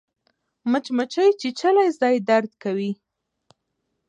مچمچۍ چیچلی ځای درد کوي